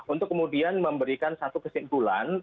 untuk kemudian memberikan satu kesimpulan